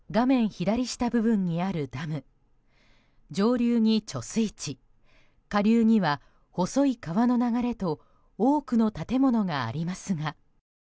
左下部分にあるダム上流に貯水池下流には細い川の流れと多くの建物がありますが。